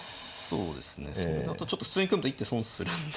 そうですねそれだと普通に組むと一手損するんで。